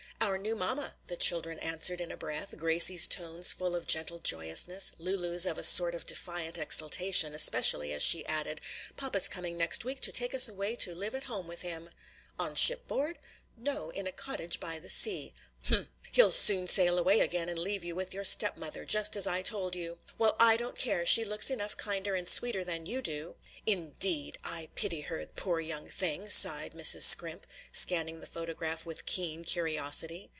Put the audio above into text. "Our new mamma," the children answered in a breath, Gracie's tones full of gentle joyousness, Lulu's of a sort of defiant exultation, especially as she added, "Papa's coming next week to take us away to live at home with him." "On shipboard?" "No, in a cottage by the sea." "Humph! he'll soon sail away again and leave you with your step mother, just as I told you." "Well, I don't care, she looks enough kinder and sweeter than you do." "Indeed! I pity her, poor young thing!" sighed Mrs. Scrimp, scanning the photograph with keen curiosity.